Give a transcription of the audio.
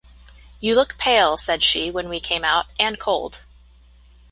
"You look pale," said she when we came out, "and cold!"